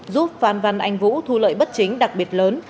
giúp phan văn anh vũ thu lợi bất chính đặc biệt lớn